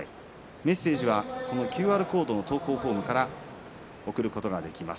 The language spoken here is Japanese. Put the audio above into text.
メッセージはＱＲコード投稿フォームから送ることができます。